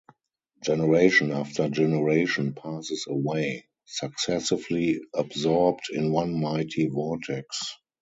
Generation after generation passes away, successively absorbed in one mighty vortex.